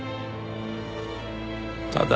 ただ。